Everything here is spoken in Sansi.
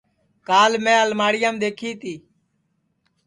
کال میں الماڑیام دؔیکھی تی